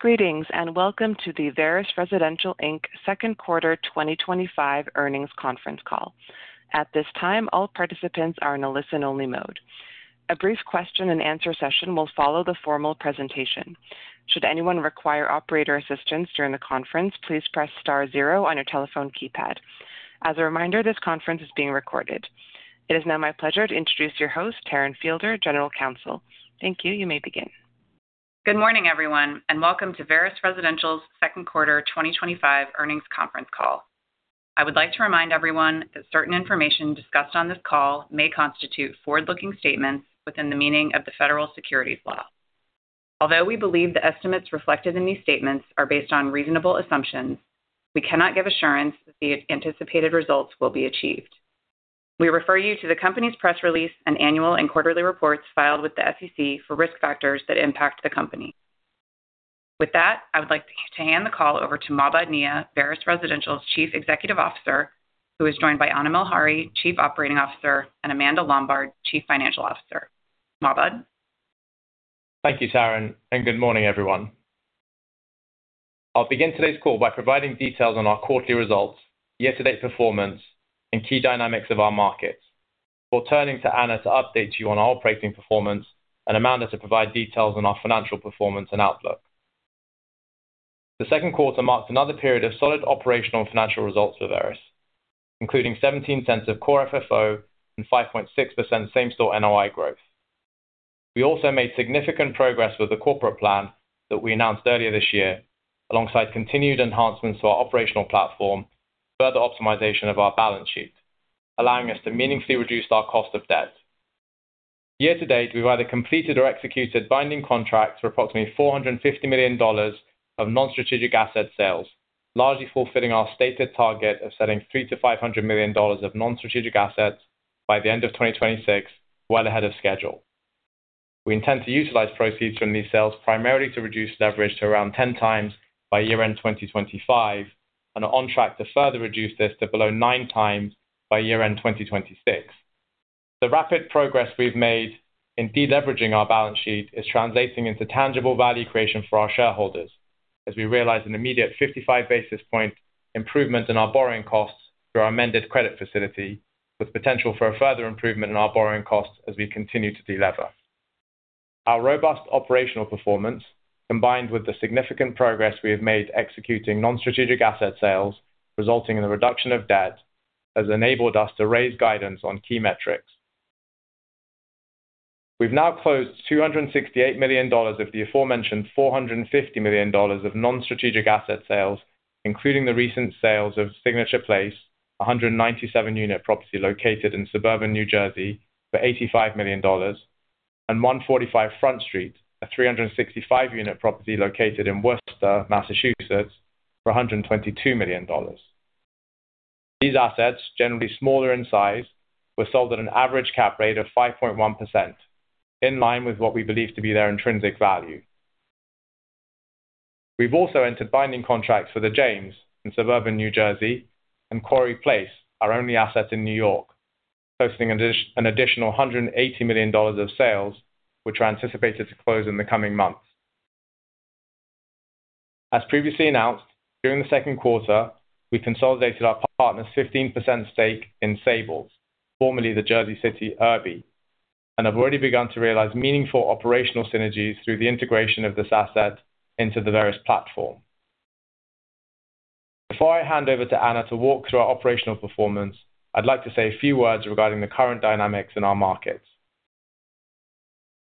Greetings and welcome to the Veris Residential Inc. Second Quarter 2025 Earnings Conference Call. At this time, all participants are in a listen-only mode. A brief question and answer session will follow the formal presentation. Should anyone require operator assistance during the conference, please press star zero on your telephone keypad. As a reminder, this conference is being recorded. It is now my pleasure to introduce your host, Taryn Fiedler, General Counsel. Thank you. You may begin. Good morning, everyone, and welcome to Veris Residential's second quarter 2025 earnings conference call. I would like to remind everyone that certain information discussed on this call may constitute forward-looking statements within the meaning of the Federal Securities Law. Although we believe the estimates reflected in these statements are based on reasonable assumptions, we cannot give assurance that the anticipated results will be achieved. We refer you to the company's press release and annual and quarterly reports filed with the SEC for risk factors that impact the company. With that, I would like to hand the call over to Mahbod Nia, Veris Residential's Chief Executive Officer, who is joined by Anna Malhari, Chief Operating Officer, and Amanda Lombard, Chief Financial Officer. Mahbod? Thank you, Taryn, and good morning, everyone. I'll begin today's call by providing details on our quarterly results, yesterday's performance, and key dynamics of our markets. We'll turn to Anna to update you on our operating performance and Amanda to provide details on our financial performance and outlook. The second quarter marked another period of solid operational and financial results for Veris Residential, including $0.17 of core FFO and 5.6% same-store NOI growth. We also made significant progress with the corporate plan that we announced earlier this year, alongside continued enhancements to our operational platform and further optimization of our balance sheet, allowing us to meaningfully reduce our cost of debt. Year to date, we've either completed or executed binding contracts for approximately $450 million of non-strategic asset sales, largely fulfilling our stated target of selling $300 to $500 million of non-strategic assets by the end of 2026, well ahead of schedule. We intend to utilize proceeds from these sales primarily to reduce leverage to around 10 times by year-end 2025 and are on track to further reduce this to below 9 times by year-end 2026. The rapid progress we've made in deleveraging our balance sheet is translating into tangible value creation for our shareholders, as we realize an immediate 55 basis point improvement in our borrowing costs through our amended credit facility, with potential for a further improvement in our borrowing costs as we continue to delever. Our robust operational performance, combined with the significant progress we have made executing non-strategic asset sales, resulting in the reduction of debt, has enabled us to raise guidance on key metrics. We've now closed $268 million of the aforementioned $450 million of non-strategic asset sales, including the recent sales of Signature Place, a 197-unit property located in suburban New Jersey, for $85 million, and 145 Front Street, a 365 unit property located in Worcester, Massachusetts, for $122 million. These assets, generally smaller in size, were sold at an average cap rate of 5.1%, in line with what we believe to be their intrinsic value. We've also entered binding contracts for The James in suburban New Jersey and Quarry Place, our only asset in New York, posting an additional $180 million of sales, which are anticipated to close in the coming months. As previously announced, during the second quarter, we consolidated our partners' 15% stake in Sable, formerly the Jersey City Irby, and have already begun to realize meaningful operational synergies through the integration of this asset into the Veris Residential platform. Before I hand over to Anna to walk through our operational performance, I'd like to say a few words regarding the current dynamics in our markets.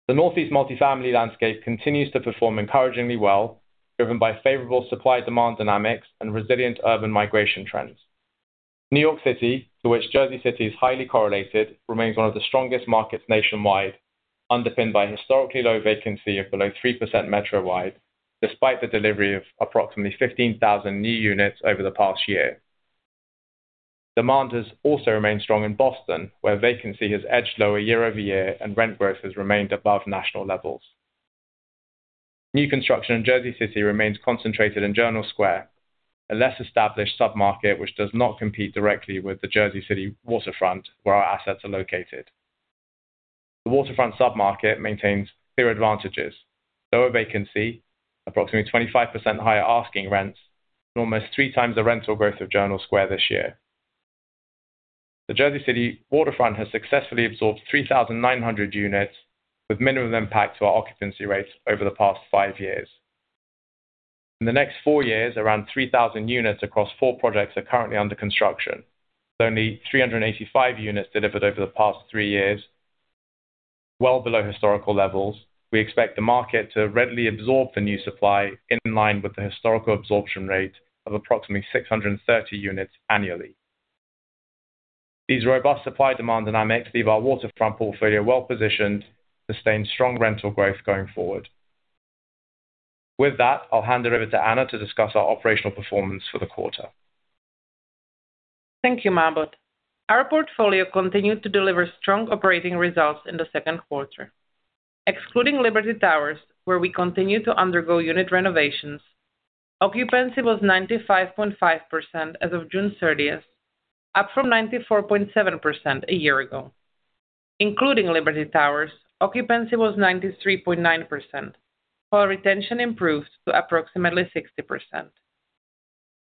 The Northeast multifamily landscape continues to perform encouragingly well, driven by favorable supply-demand dynamics and resilient urban migration trends. New York City, to which Jersey City is highly correlated, remains one of the strongest markets nationwide, underpinned by a historically low vacancy of below 3% metro-wide, despite the delivery of approximately 15,000 new units over the past year. Demand has also remained strong in Boston, where vacancy has edged lower year over year and rent growth has remained above national levels. New construction in Jersey City remains concentrated in Journal Square, a less established submarket which does not compete directly with the Jersey City Waterfront, where our assets are located. The Waterfront submarket maintains clear advantages: lower vacancy, approximately 25% higher asking rents, and almost three times the rental growth of Journal Square this year. The Jersey City Waterfront has successfully absorbed 3,900 units, with minimal impact to our occupancy rates over the past five years. In the next four years, around 3,000 units across four projects are currently under construction, with only 385 units delivered over the past three years, well below historical levels. We expect the market to readily absorb the new supply in line with the historical absorption rate of approximately 630 units annually. These robust supply-demand dynamics leave our Waterfront portfolio well positioned to sustain strong rental growth going forward. With that, I'll hand it over to Anna to discuss our operational performance for the quarter. Thank you, Mahbod. Our portfolio continued to deliver strong operating results in the second quarter. Excluding Liberty Towers, where we continued to undergo unit renovations, occupancy was 95.5% as of June 30, up from 94.7% a year ago. Including Liberty Towers, occupancy was 93.9%, while retention improved to approximately 60%.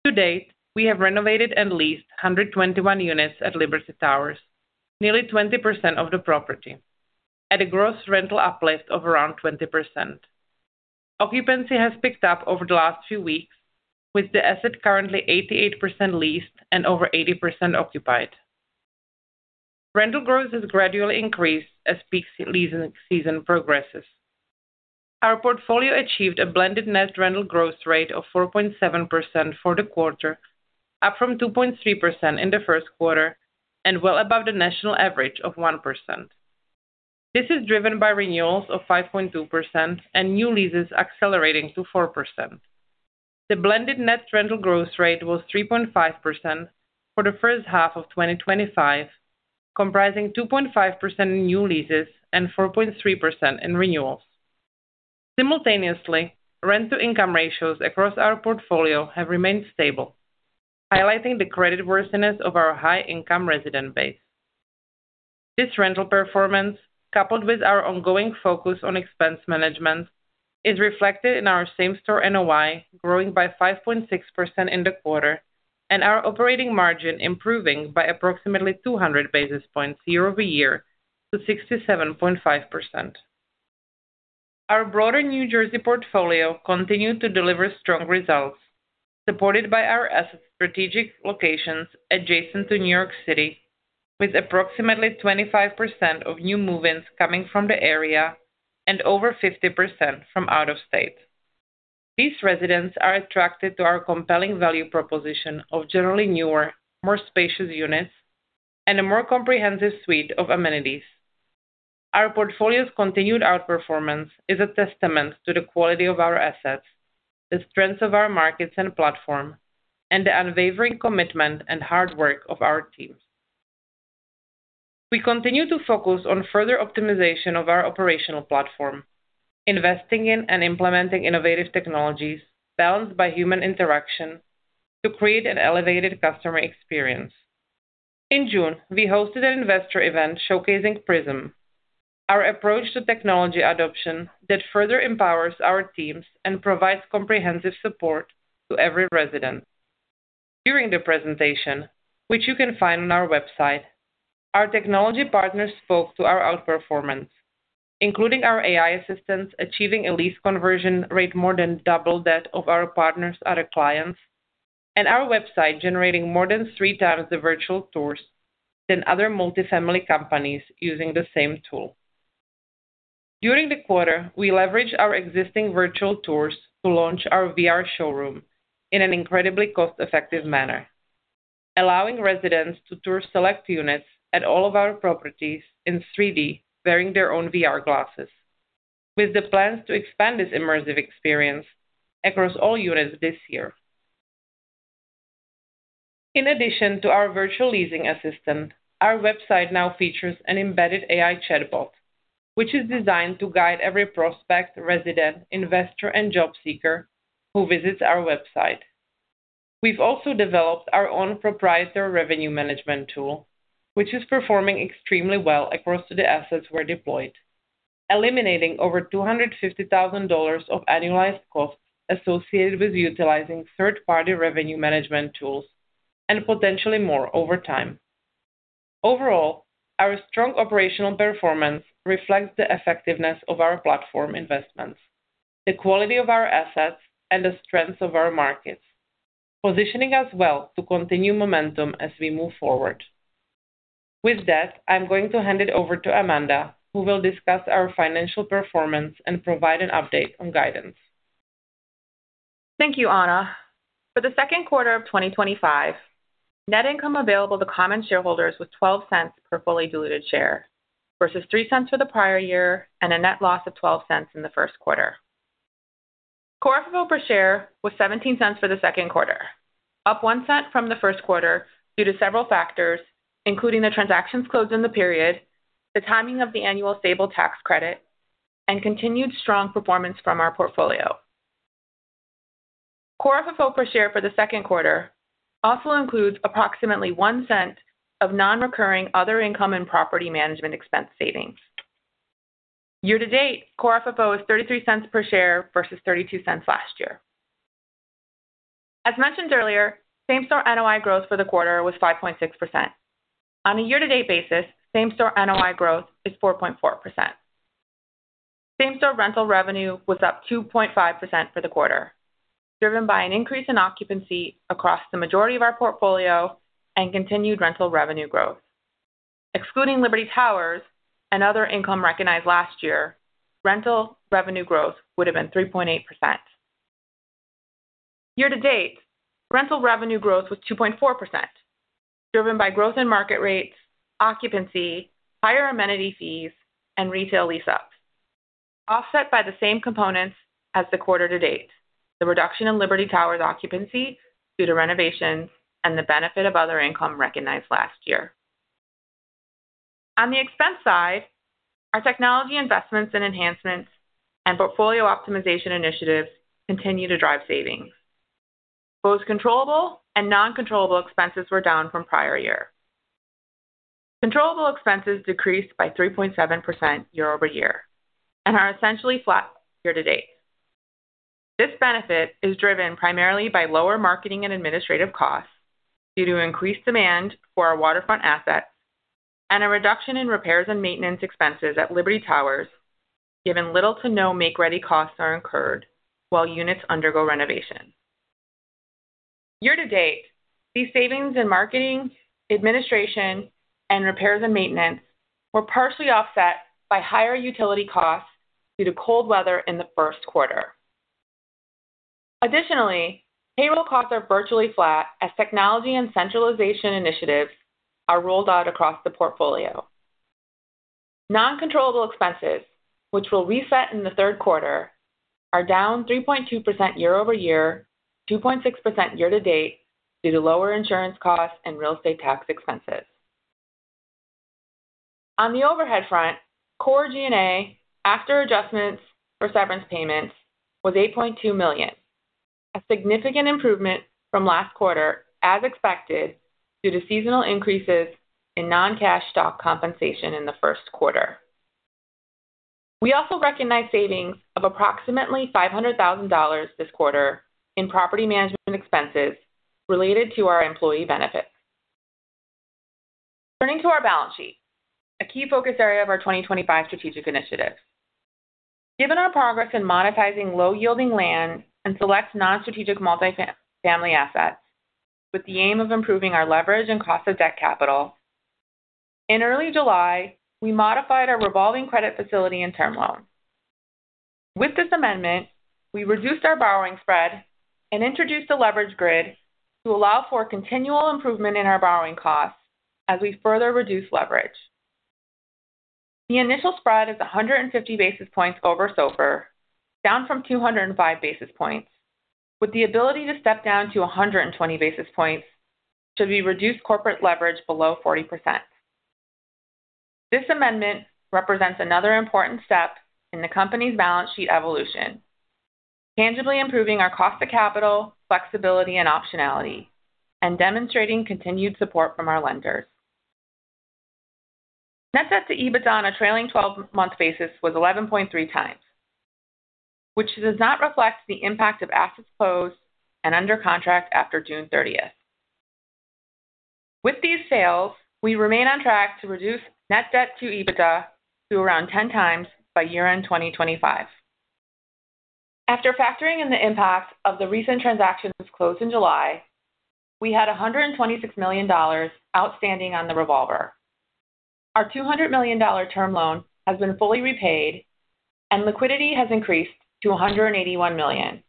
To date, we have renovated and leased 121 units at Liberty Towers, nearly 20% of the property, at a gross rental uplift of around 20%. Occupancy has picked up over the last few weeks, with the asset currently 88% leased and over 80% occupied. Rental growth has gradually increased as peak season progresses. Our portfolio achieved a blended net rental growth rate of 4.7% for the quarter, up from 2.3% in the first quarter and well above the national average of 1%. This is driven by renewals of 5.2% and new leases accelerating to 4%. The blended net rental growth rate was 3.5% for the first half of 2025, comprising 2.5% in new leases and 4.3% in renewals. Simultaneously, rental income ratios across our portfolio have remained stable, highlighting the creditworthiness of our high-income resident base. This rental performance, coupled with our ongoing focus on expense management, is reflected in our same-store NOI growing by 5.6% in the quarter and our operating margin improving by approximately 200 basis points year over year to 67.5%. Our broader New Jersey portfolio continued to deliver strong results, supported by our asset's strategic locations adjacent to New York City, with approximately 25% of new move-ins coming from the area and over 50% from out of state. These residents are attracted to our compelling value proposition of generally newer, more spacious units and a more comprehensive suite of amenities. Our portfolio's continued outperformance is a testament to the quality of our assets, the strength of our markets and platform, and the unwavering commitment and hard work of our teams. We continue to focus on further optimization of our operational platform, investing in and implementing innovative technologies balanced by human interaction to create an elevated customer experience. In June, we hosted an investor event showcasing PRISM, our approach to technology adoption that further empowers our teams and provides comprehensive support to every resident. During the presentation, which you can find on our website, our technology partners spoke to our outperformance, including our AI assistants achieving a lease conversion rate more than double that of our partners' other clients, and our website generating more than three times the virtual tours than other multifamily companies using the same tool. During the quarter, we leveraged our existing virtual tours to launch our VR showroom in an incredibly cost-effective manner, allowing residents to tour select units at all of our properties in 3D, wearing their own VR glasses, with the plans to expand this immersive experience across all units this year. In addition to our Virtual Leasing Assistant, our website now features an embedded AI chatbot, which is designed to guide every prospect, resident, investor, and job seeker who visits our website. We've also developed our own proprietary revenue management tool, which is performing extremely well across the assets we're deploying, eliminating over $250,000 of annualized costs associated with utilizing third-party revenue management tools and potentially more over time. Overall, our strong operational performance reflects the effectiveness of our platform investments, the quality of our assets, and the strength of our markets, positioning us well to continue momentum as we move forward. With that, I'm going to hand it over to Amanda, who will discuss our financial performance and provide an update on guidance. Thank you, Anna. For the second quarter of 2025, net income available to common shareholders was $0.12 per fully diluted share versus $0.03 for the prior year and a net loss of $0.12 in the first quarter. Core FFO per share was $0.17 for the second quarter, up $0.01 from the first quarter due to several factors, including the transactions closed in the period, the timing of the annual Sable tax credit, and continued strong performance from our portfolio. Core FFO per share for the second quarter also includes approximately $0.01 of non-recurring other income and property management expense savings. Year to date, core FFO is $0.33 per share versus $0.32 last year. As mentioned earlier, same-store NOI growth for the quarter was 5.6%. On a year-to-date basis, same-store NOI growth is 4.4%. Same-store rental revenue was up 2.5% for the quarter, driven by an increase in occupancy across the majority of our portfolio and continued rental revenue growth. Excluding Liberty Towers and other income recognized last year, rental revenue growth would have been 3.8%. Year to date, rental revenue growth was 2.4%, driven by growth in market rates, occupancy, higher amenity fees, and retail lease-ups, offset by the same components as the quarter to date: the reduction in Liberty Towers' occupancy due to renovations and the benefit of other income recognized last year. On the expense side, our technology investments and enhancements and portfolio optimization initiatives continue to drive savings. Both controllable and non-controllable expenses were down from prior year. Controllable expenses decreased by 3.7% year-over-year and are essentially flat year to date. This benefit is driven primarily by lower marketing and administrative costs due to increased demand for our Waterfront asset and a reduction in repairs and maintenance expenses at Liberty Towers, given little to no make-ready costs are incurred while units undergo renovation. Year to date, these savings in marketing, administration, and repairs and maintenance were partially offset by higher utility costs due to cold weather in the first quarter. Additionally, payroll costs are virtually flat as technology and centralization initiatives are rolled out across the portfolio. Non-controllable expenses, which will reset in the third quarter, are down 3.2% year over year, 2.6% year to date due to lower insurance costs and real estate tax expenses. On the overhead front, core G&A, after adjustments for severance payments, was $8.2 million, a significant improvement from last quarter as expected due to seasonal increases in non-cash stock compensation in the first quarter. We also recognize savings of approximately $500,000 this quarter in property management expenses related to our employee benefits. Turning to our balance sheet, a key focus area of our 2025 strategic initiative. Given our progress in monetizing low-yielding land and select non-strategic multifamily assets, with the aim of improving our leverage and cost of debt capital, in early July, we modified our revolving credit facility and term loan. With this amendment, we reduced our borrowing spread and introduced a leverage grid to allow for continual improvement in our borrowing costs as we further reduce leverage. The initial spread is 150 basis points over SOFR, down from 205 basis points, with the ability to step down to 120 basis points should we reduce corporate leverage below 40%. This amendment represents another important step in the company's balance sheet evolution, tangibly improving our cost of capital, flexibility, and optionality, and demonstrating continued support from our lenders. Net debt to EBITDA on a trailing 12-month basis was 11.3 times, which does not reflect the impact of assets closed and under contract after June 30, 2024. With these sales, we remain on track to reduce net debt to EBITDA to around 10 times by year-end 2025. After factoring in the impact of the recent transactions closed in July, we had $126 million outstanding on the revolver. Our $200 million term loan has been fully repaid, and liquidity has increased to $181 million,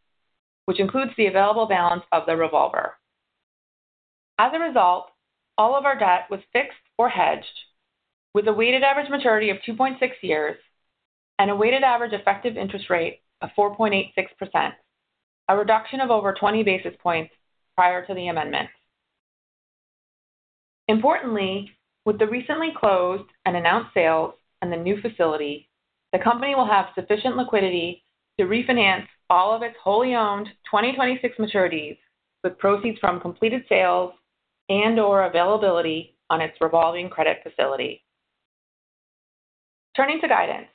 which includes the available balance of the revolver. As a result, all of our debt was fixed or hedged, with a weighted average maturity of 2.6 years and a weighted average effective interest rate of 4.86%, a reduction of over 20 basis points prior to the amendment. Importantly, with the recently closed and announced sales and the new facility, the company will have sufficient liquidity to refinance all of its wholly owned 2026 maturities with proceeds from completed sales and/or availability on its revolving credit facility. Turning to guidance,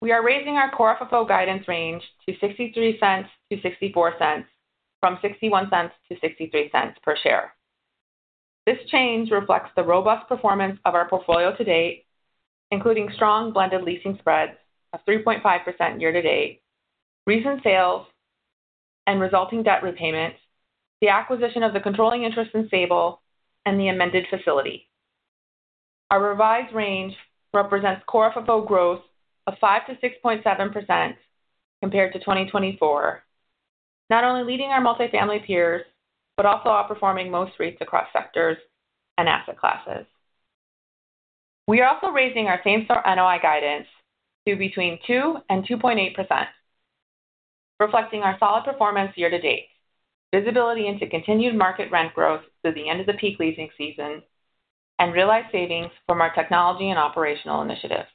we are raising our core FFO guidance range to $0.63 to $0.64, from $0.61 to $0.63 per share. This change reflects the robust performance of our portfolio to date, including strong blended leasing spreads of 3.5% year to date, recent sales and resulting debt repayment, the acquisition of the controlling interest in Sable, and the amended credit facility. Our revised range represents core FFO growth of 5% to 6.7% compared to 2024, not only leading our multifamily peers but also outperforming most REITs across sectors and asset classes. We are also raising our same-store NOI guidance to between 2% and 2.8%, reflecting our solid performance year to date, visibility into continued market rent growth through the end of the peak leasing season, and realized savings from our technology and operational initiatives.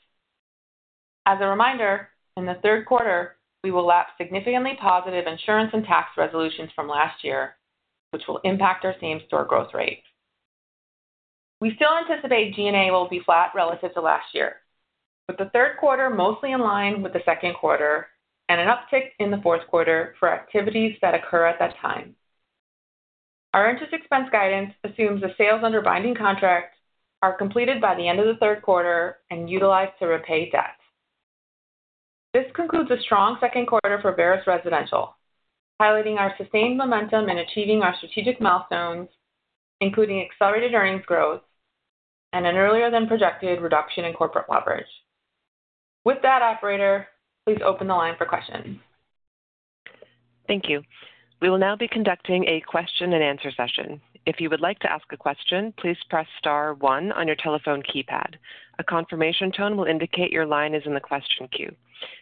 As a reminder, in the third quarter, we will lap significantly positive insurance and tax resolutions from last year, which will impact our same-store growth rate. We still anticipate G&A will be flat relative to last year, with the third quarter mostly in line with the second quarter and an uptick in the fourth quarter for activities that occur at that time. Our interest expense guidance assumes the sales under binding contracts are completed by the end of the third quarter and utilized to repay debt. This concludes a strong second quarter for Veris Residential, highlighting our sustained momentum in achieving our strategic milestones, including accelerated earnings growth and an earlier-than-projected reduction in corporate leverage. With that, operator, please open the line for questions. Thank you. We will now be conducting a question and answer session. If you would like to ask a question, please press star one on your telephone keypad. A confirmation tone will indicate your line is in the question queue.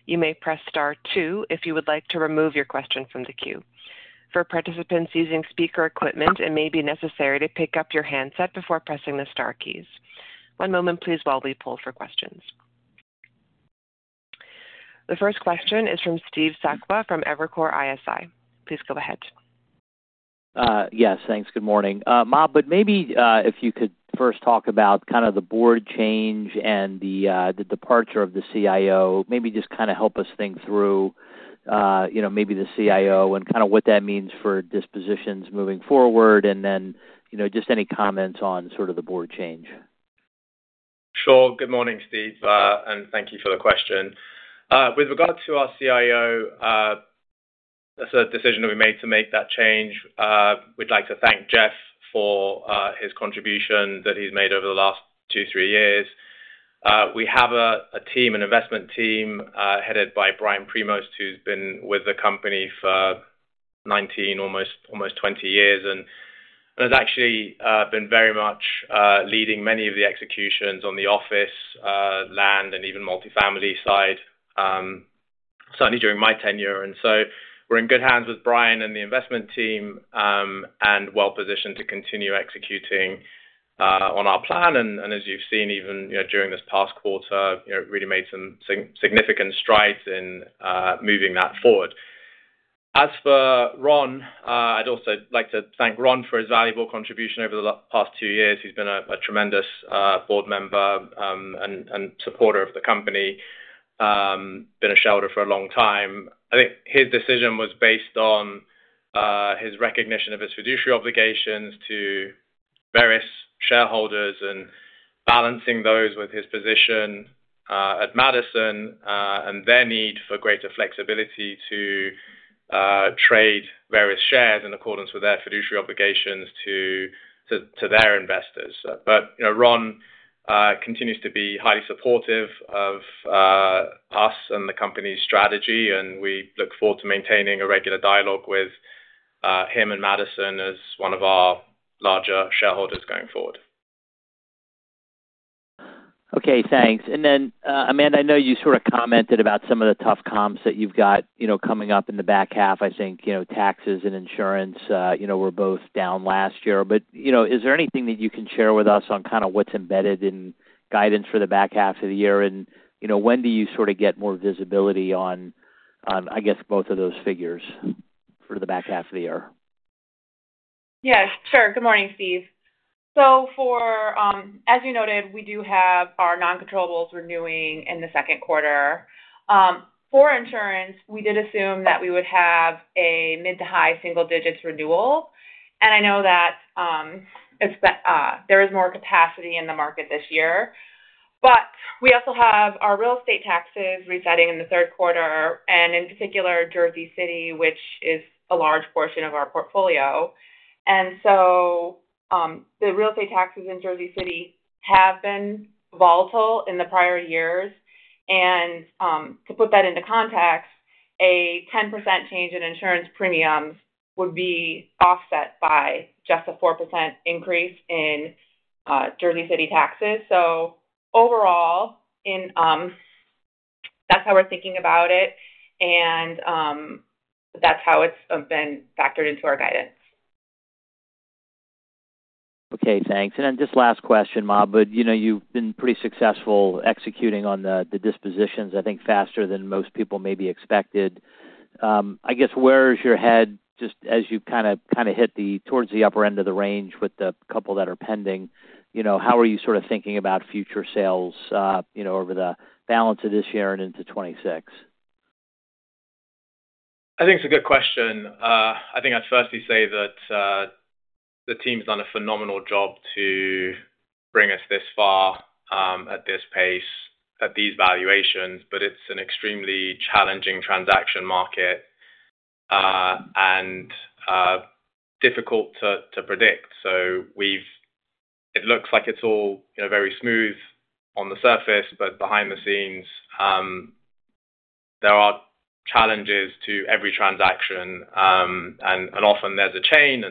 You may press star two if you would like to remove your question from the queue. For participants using speaker equipment, it may be necessary to pick up your handset before pressing the star keys. One moment, please, while we pull for questions. The first question is from Steve Sakwa from Evercore ISI. Please go ahead. Yes, thanks. Good morning. Mahbod, maybe if you could first talk about the board change and the departure of the CIO, maybe just help us think through the CIO and what that means for dispositions moving forward, and then any comments on the board change. Sure. Good morning, Steve, and thank you for the question. With regard to our CIO, that's a decision that we made to make that change. We'd like to thank Jeff for his contribution that he's made over the last two, three years. We have a team, an investment team headed by Brian Primus, who's been with the company for 19, almost 20 years and has actually been very much leading many of the executions on the office land and even multifamily side, certainly during my tenure. We're in good hands with Brian and the investment team and well positioned to continue executing on our plan. As you've seen, even during this past quarter, we really made some significant strides in moving that forward. As for Ron, I'd also like to thank Ron for his valuable contribution over the past two years. He's been a tremendous board member and supporter of the company, been a shareholder for a long time. I think his decision was based on his recognition of his fiduciary obligations to various shareholders and balancing those with his position at Madison and their need for greater flexibility to trade various shares in accordance with their fiduciary obligations to their investors. Ron continues to be highly supportive of us and the company's strategy, and we look forward to maintaining a regular dialogue with him and Madison as one of our larger shareholders going forward. Okay, thanks. Amanda, I know you sort of commented about some of the tough comps that you've got coming up in the back half. I think taxes and insurance were both down last year. Is there anything that you can share with us on kind of what's embedded in guidance for the back half of the year? When do you sort of get more visibility on, I guess, both of those figures for the back half of the year? Yes, sure. Good morning, Steve. As you noted, we do have our non-controllables renewing in the second quarter. For insurance, we did assume that we would have a mid to high single-digits renewal. I know that there is more capacity in the market this year. We also have our real estate taxes resetting in the third quarter, in particular, Jersey City, which is a large portion of our portfolio. The real estate taxes in Jersey City have been volatile in the prior years. To put that into context, a 10% change in insurance premiums would be offset by just a 4% increase in Jersey City taxes. Overall, that's how we're thinking about it, and that's how it's been factored into our guidance. Okay, thanks. Just last question, Mahbod, you've been pretty successful executing on the dispositions, I think, faster than most people maybe expected. I guess where is your head as you kind of hit towards the upper end of the range with the couple that are pending? How are you sort of thinking about future sales over the balance of this year and into 2026? I think it's a good question. I think I'd firstly say that the team's done a phenomenal job to bring us this far at this pace at these valuations, but it's an extremely challenging transaction market and difficult to predict. It looks like it's all, you know, very smooth on the surface, but behind the scenes, there are challenges to every transaction. Often there's a chain.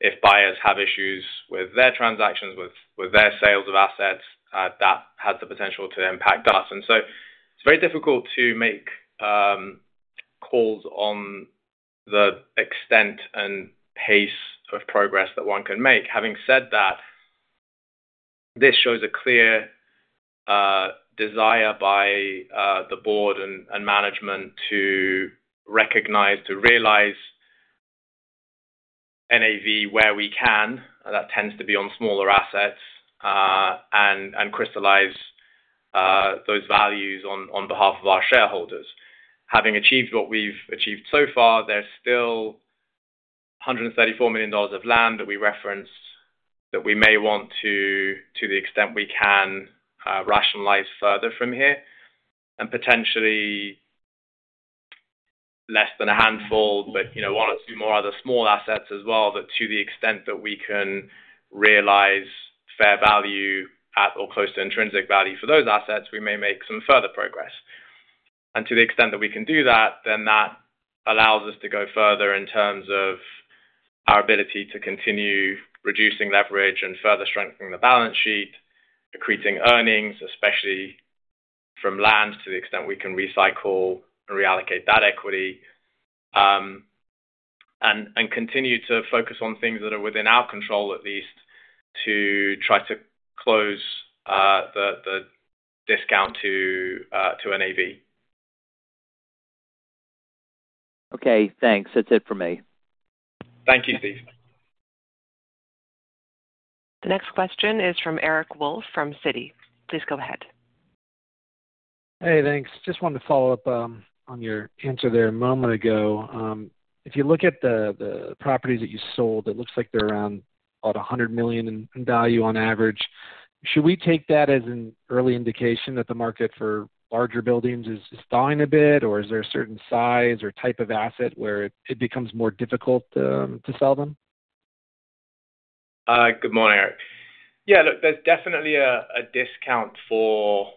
If buyers have issues with their transactions, with their sales of assets, that has the potential to impact us. It's very difficult to make calls on the extent and pace of progress that one can make. Having said that, this shows a clear desire by the board and management to recognize, to realize NAV where we can, and that tends to be on smaller assets and crystallize those values on behalf of our shareholders. Having achieved what we've achieved so far, there's still $134 million of land that we referenced that we may want to, to the extent we can, rationalize further from here. Potentially less than a handful, but, you know, one or two more other small assets as well, that to the extent that we can realize fair value at or close to intrinsic value for those assets, we may make some further progress. To the extent that we can do that, then that allows us to go further in terms of our ability to continue reducing leverage and further strengthening the balance sheet, accreting earnings, especially from land to the extent we can recycle and reallocate that equity, and continue to focus on things that are within our control, at least, to try to close the discount to NAV. Okay, thanks. That's it for me. Thank you, Steve. The next question is from Eric Wolfe from Citi. Please go ahead. Hey, thanks. Just wanted to follow up on your answer there a moment ago. If you look at the properties that you sold, it looks like they're around about $100 million in value on average. Should we take that as an early indication that the market for larger buildings is thawing a bit, or is there a certain size or type of asset where it becomes more difficult to sell them? Good morning, Eric. Yeah, look, there's definitely a discount for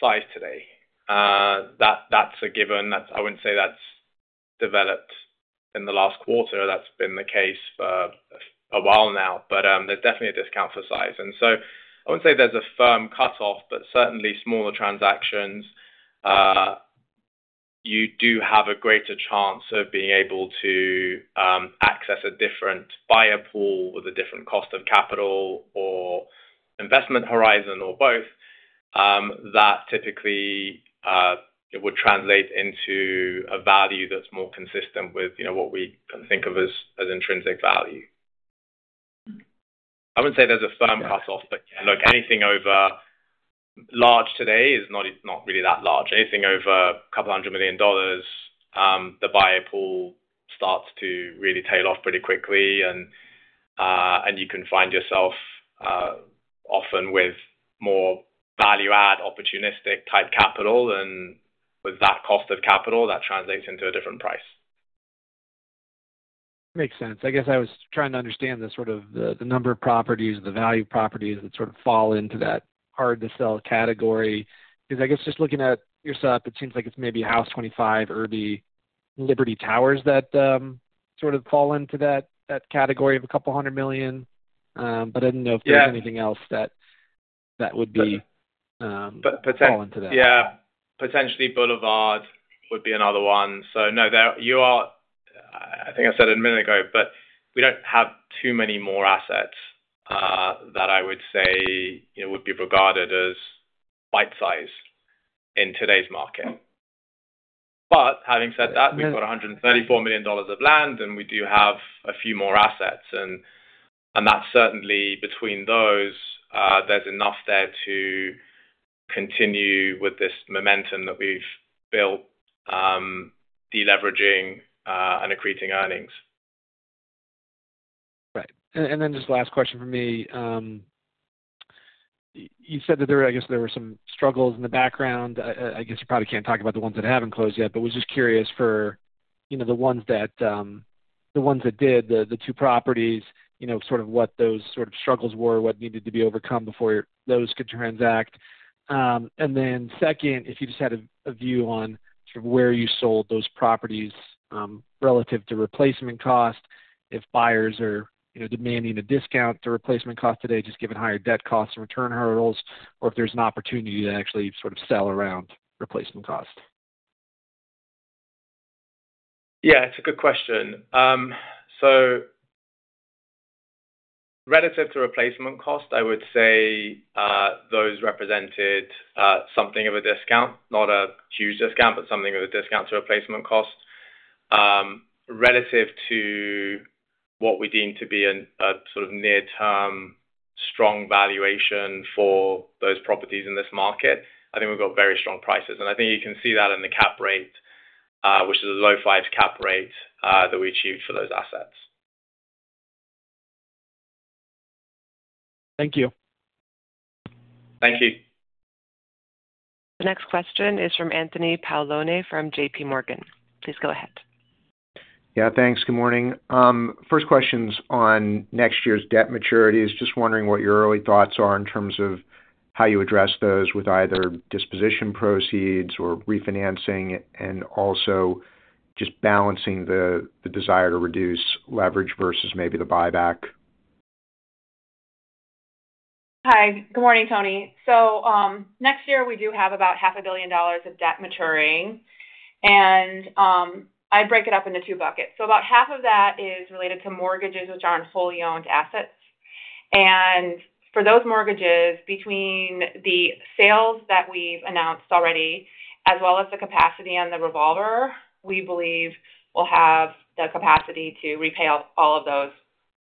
size today. That's a given. I wouldn't say that's developed in the last quarter. That's been the case for a while now, but there's definitely a discount for size. I wouldn't say there's a firm cutoff, but certainly smaller transactions, you do have a greater chance of being able to access a different buyer pool with a different cost of capital or investment horizon or both. That typically would translate into a value that's more consistent with what we think of as intrinsic value. I wouldn't say there's a firm cutoff, but look, anything over large today is not really that large. Anything over a couple hundred million dollars, the buyer pool starts to really tail off pretty quickly, and you can find yourself often with more value-add opportunistic type capital, and with that cost of capital, that translates into a different price. Makes sense. I guess I was trying to understand the sort of the number of properties, the value of properties that sort of fall into that hard-to-sell category. I guess just looking at your setup, it seems like it's maybe House 25, Sable, Liberty Towers that sort of fall into that category of a couple hundred million. I didn't know if there's anything else that would be falling into that. Yeah, potentially Boulevard would be another one. You are, I think I said a minute ago, but we don't have too many more assets that I would say would be regarded as bite-size in today's market. Having said that, we've got $134 million of land, and we do have a few more assets, and that's certainly between those. There's enough there to continue with this momentum that we've built, deleveraging and accreting earnings. Right. Just the last question for me. You said that there were some struggles in the background. You probably can't talk about the ones that haven't closed yet, but was just curious for the ones that did, the two properties, what those struggles were, what needed to be overcome before those could transact. Second, if you just had a view on where you sold those properties relative to replacement cost, if buyers are demanding a discount to replacement cost today, given higher debt costs and return hurdles, or if there's an opportunity to actually sell around replacement cost. Yeah, it's a good question. Relative to replacement cost, I would say those represented something of a discount, not a huge discount, but something of a discount to replacement cost. Relative to what we deem to be a sort of near-term strong valuation for those properties in this market, I think we've got very strong prices. I think you can see that in the cap rate, which is a low 5% cap rate that we achieved for those assets. Thank you. Thank you. The next question is from Anthony Paolone from JPMorgan. Please go ahead. Yeah, thanks. Good morning. First question's on next year's debt maturities. Just wondering what your early thoughts are in terms of how you address those with either disposition proceeds or refinancing, and also just balancing the desire to reduce leverage versus maybe the buyback. Hi, good morning, Tony. Next year, we do have about $500 million of debt maturing, and I break it up into two buckets. About half of that is related to mortgages, which are on wholly owned assets. For those mortgages, between the sales that we've announced already, as well as the capacity on the revolver, we believe we'll have the capacity to repay all of those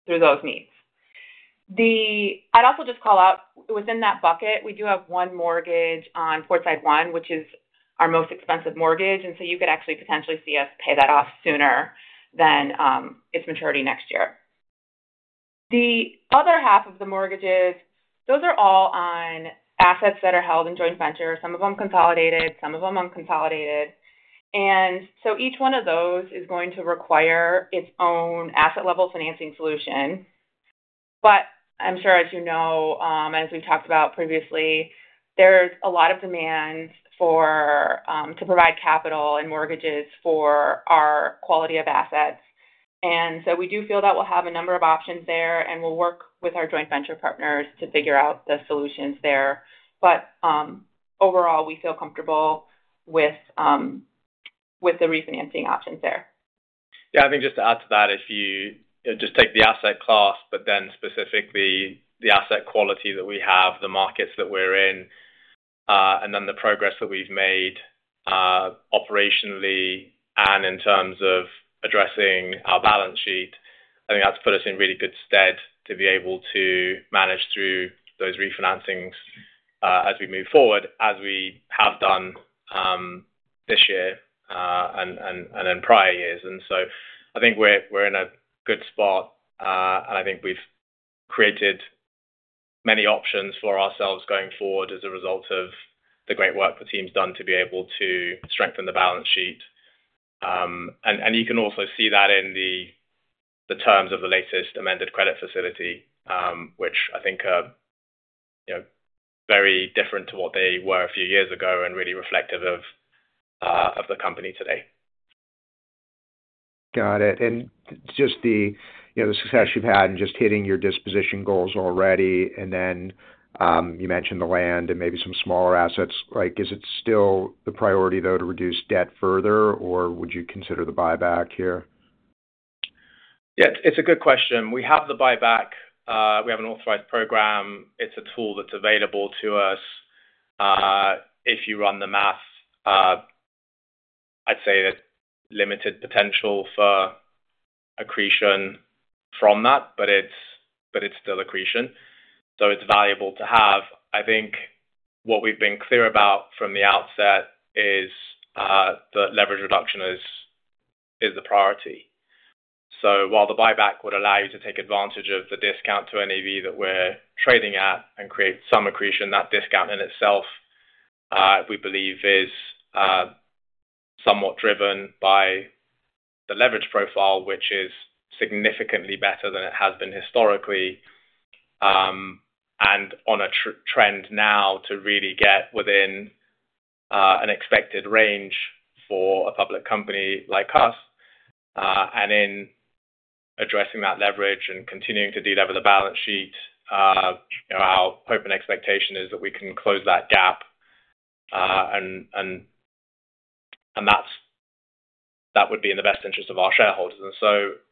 through those needs. I'd also just call out within that bucket, we do have one mortgage on Portside One, which is our most expensive mortgage, and you could actually potentially see us pay that off sooner than its maturity next year. The other half of the mortgages are all on assets that are held in joint venture, some of them consolidated, some of them unconsolidated. Each one of those is going to require its own asset-level financing solution. As you know, and as we've talked about previously, there's a lot of demand to provide capital and mortgages for our quality of assets. We do feel that we'll have a number of options there, and we'll work with our joint venture partners to figure out the solutions there. Overall, we feel comfortable with the refinancing options there. Yeah, I think just to add to that, if you just take the asset class, but then specifically the asset quality that we have, the markets that we're in, and then the progress that we've made operationally and in terms of addressing our balance sheet, I think that's put us in really good stead to be able to manage through those refinancings as we move forward, as we have done this year and in prior years. I think we're in a good spot, and I think we've created many options for ourselves going forward as a result of the great work the team's done to be able to strengthen the balance sheet. You can also see that in the terms of the latest amended credit facility, which I think are very different to what they were a few years ago and really reflective of the company today. Got it. The success you've had in just hitting your disposition goals already, and then you mentioned the land and maybe some smaller assets, is it still the priority, though, to reduce debt further, or would you consider the buyback here? Yeah, it's a good question. We have the buyback. We have an authorized program. It's a tool that's available to us. If you run the math, I'd say there's limited potential for accretion from that, but it's still accretion, so it's valuable to have. I think what we've been clear about from the outset is that leverage reduction is the priority. While the buyback would allow you to take advantage of the discount to NAV that we're trading at and create some accretion, that discount in itself, we believe, is somewhat driven by the leverage profile, which is significantly better than it has been historically and on a trend now to really get within an expected range for a public company like us. In addressing that leverage and continuing to delever the balance sheet, our hope and expectation is that we can close that gap, and that would be in the best interest of our shareholders.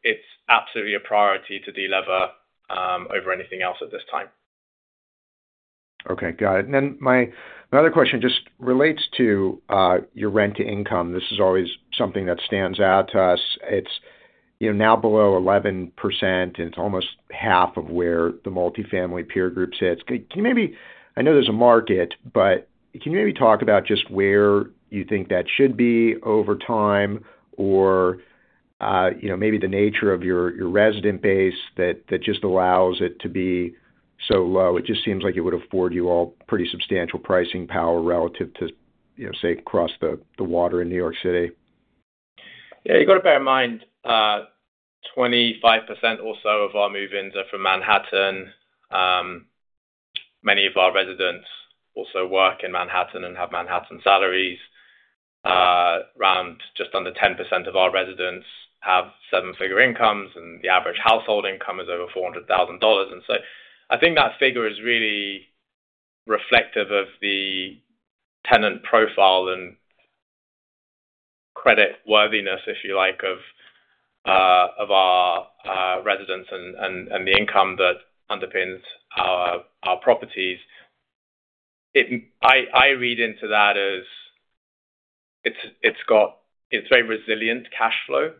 It's absolutely a priority to delever over anything else at this time. Okay, got it. My other question just relates to your rent to income. This is always something that stands out to us. It's now below 11%, and it's almost half of where the multifamily peer group sits. Can you maybe, I know there's a market, but can you maybe talk about just where you think that should be over time or maybe the nature of your resident base that just allows it to be so low? It just seems like it would afford you all pretty substantial pricing power relative to, you know, say, across the water in New York City. You have to bear in mind 25% or so of our move-ins are from Manhattan. Many of our residents also work in Manhattan and have Manhattan salaries. Around just under 10% of our residents have seven-figure incomes, and the average household income is over $400,000. I think that figure is really reflective of the tenant profile and credit worthiness, if you like, of our residents and the income that underpins our properties. I read into that as it's very resilient cash flow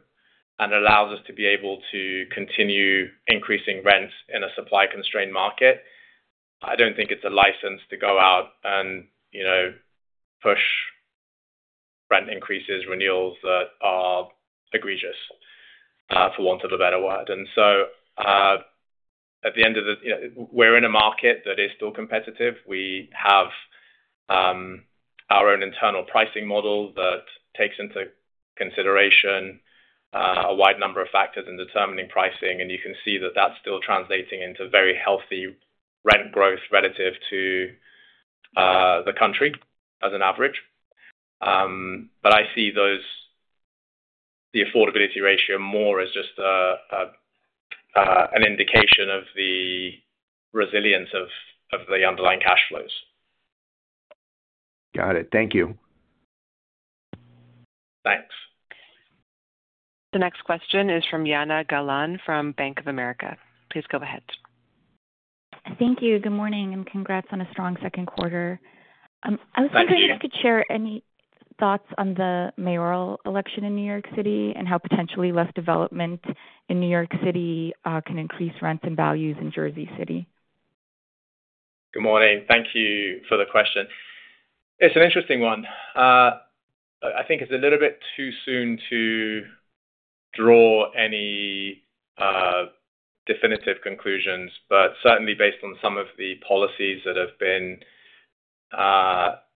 and allows us to be able to continue increasing rents in a supply-constrained market. I don't think it's a license to go out and push rent increases, renewals that are egregious, for want of a better word. At the end of the day, we're in a market that is still competitive. We have our own internal pricing model that takes into consideration a wide number of factors in determining pricing, and you can see that that's still translating into very healthy rent growth relative to the country as an average. I see the affordability ratio more as just an indication of the resilience of the underlying cash flows. Got it. Thank you. Thanks. The next question is from Jana Galan from Bank of America. Please go ahead. Thank you. Good morning and congrats on a strong second quarter. Thank you. I was wondering if you could share any thoughts on the mayoral election in New York City and how potentially less development in New York City can increase rents and values in Jersey City. Good morning. Thank you for the question. It's an interesting one. I think it's a little bit too soon to draw any definitive conclusions, but certainly based on some of the policies that have been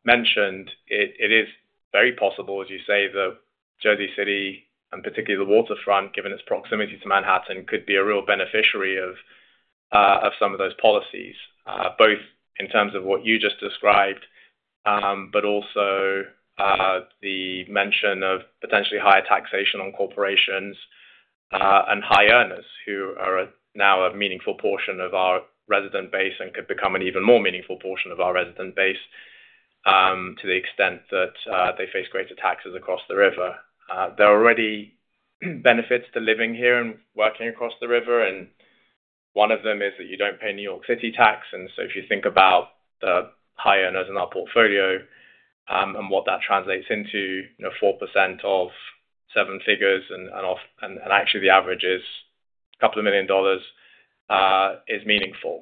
mentioned, it is very possible, as you say, that Jersey City and particularly the Waterfront, given its proximity to Manhattan, could be a real beneficiary of some of those policies, both in terms of what you just described, but also the mention of potentially higher taxation on corporations and high earners who are now a meaningful portion of our resident base and could become an even more meaningful portion of our resident base to the extent that they face greater taxes across the river. There are already benefits to living here and working across the river, and one of them is that you don't pay New York City tax. If you think about the high earners in our portfolio and what that translates into, you know, 4% of seven figures, and actually the average is a couple of million dollars, is meaningful.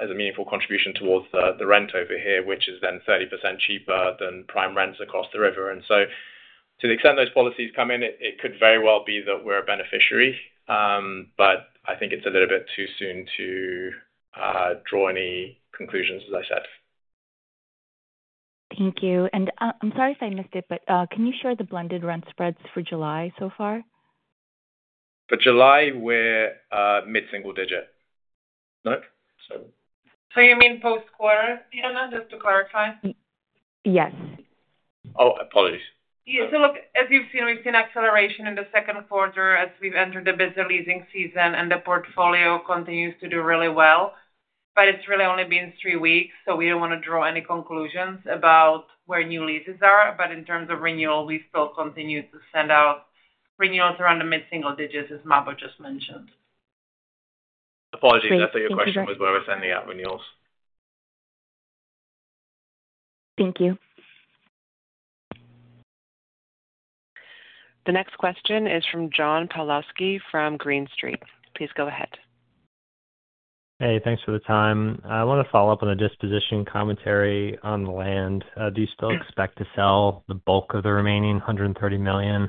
It's a meaningful contribution towards the rent over here, which is then 30% cheaper than prime rents across the river. To the extent those policies come in, it could very well be that we're a beneficiary, but I think it's a little bit too soon to draw any conclusions, as I said. Thank you. I'm sorry if I missed it, but can you share the blended rent spreads for July so far? For July, we're mid-single digit. You mean post-quarter, Jana, just to clarify? Yes. Oh, I apologize. Yeah, as you've seen, we've seen acceleration in the second quarter as we've entered the busy leasing season, and the portfolio continues to do really well. It's really only been three weeks, so we don't want to draw any conclusions about where new leases are. In terms of renewal, we still continue to send out renewals around the mid-single digits, as Mahbod just mentioned. Apologies, I think your question was where we're sending out renewals. Thank you. The next question is from John Pawlowski from Green Street Advisors. Please go ahead. Hey, thanks for the time. I want to follow up on the disposition commentary on the land. Do you still expect to sell the bulk of the remaining $130 million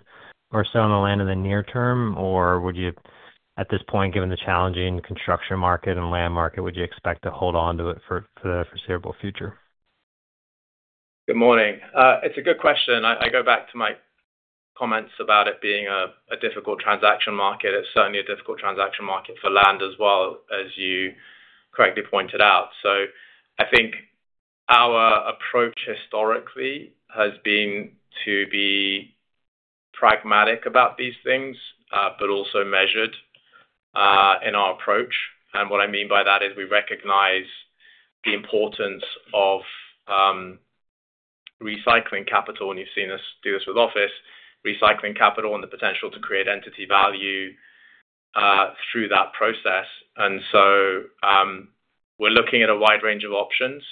or so on the land in the near term, or would you, at this point, given the challenging construction market and land market, expect to hold on to it for the foreseeable future? Good morning. It's a good question. I go back to my comments about it being a difficult transaction market. It's certainly a difficult transaction market for land as well, as you correctly pointed out. I think our approach historically has been to be pragmatic about these things, but also measured in our approach. What I mean by that is we recognize the importance of recycling capital, and you've seen us do this with office, recycling capital and the potential to create entity value through that process. We're looking at a wide range of options.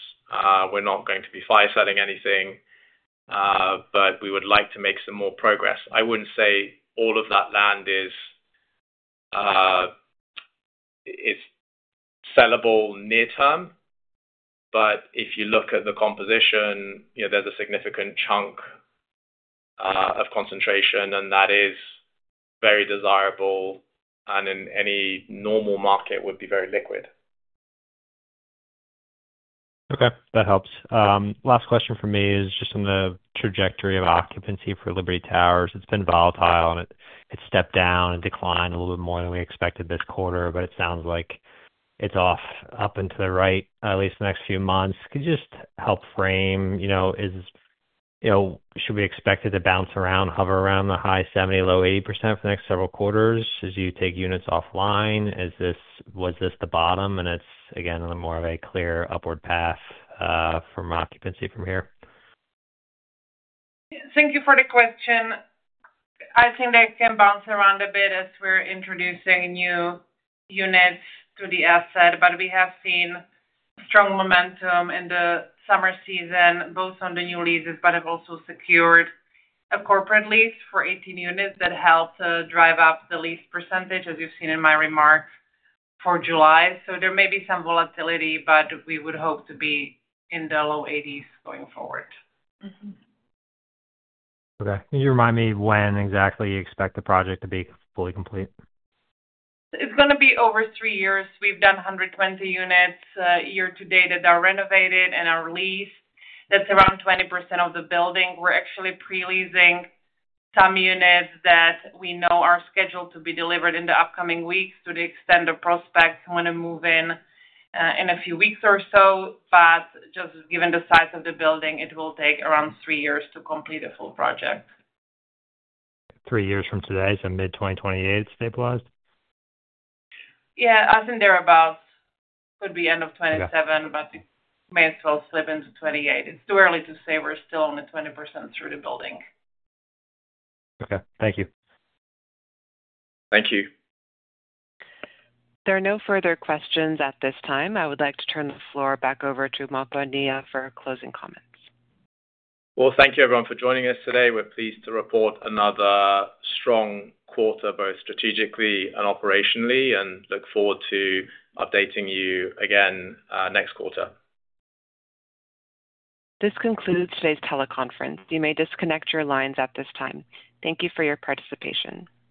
We're not going to be fire-selling anything, but we would like to make some more progress. I wouldn't say all of that land is sellable near term, but if you look at the composition, there's a significant chunk of concentration, and that is very desirable and in any normal market would be very liquid. Okay, that helps. Last question for me is just on the trajectory of occupancy for Liberty Towers. It's been volatile, and it's stepped down and declined a little bit more than we expected this quarter, but it sounds like it's off up into the right at least the next few months. Could you just help frame, you know, should we expect it to bounce around, hover around the high 70%, low 80% for the next several quarters as you take units offline? Is this, was this the bottom and it's again on a more of a clear upward path from occupancy from here? Thank you for the question. I think that it can bounce around a bit as we're introducing new units to the asset, but we have seen strong momentum in the summer season, both on the new leases, and have also secured a corporate lease for 18 units that helped drive up the lease percentage, as you've seen in my remarks for July. There may be some volatility, but we would hope to be in the low 80% going forward. Okay. Can you remind me when exactly you expect the project to be fully complete? It's going to be over three years. We've done 120 units year to date that are renovated and are leased. That's around 20% of the building. We're actually pre-leasing some units that we know are scheduled to be delivered in the upcoming weeks to the extent the prospects want to move in in a few weeks or so. Just given the size of the building, it will take around three years to complete a full project. Three years from today, mid-2028, stabilized? Yeah, I think they're about, could be end of 2027, but we may as well slip into 2028. It's too early to say. We're still on the 20% through the building. Okay, thank you. Thank you. There are no further questions at this time. I would like to turn the floor back over to Mahbod Nia for closing comments. Thank you everyone for joining us today. We're pleased to report another strong quarter, both strategically and operationally, and look forward to updating you again next quarter. This concludes today's teleconference. You may disconnect your lines at this time. Thank you for your participation.